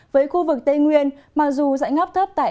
với khu vực tây nguyên mặc dù dạnh ấp thấp tại